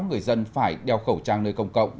người dân phải đeo khẩu trang nơi công cộng